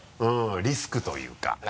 リスクというか。